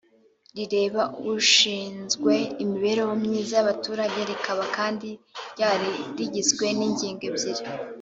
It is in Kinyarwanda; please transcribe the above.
rireba ushinzwe imibereho myiza y abaturage rikaba kandi ryari rigizwe n’ingingo ebyiri